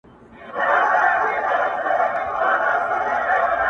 بيا وايم زه’ يو داسې بله هم سته’